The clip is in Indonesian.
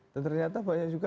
dan ternyata banyak juga